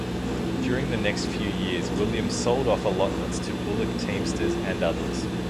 During the next few years Williams sold off allotments to bullock teamsters and others.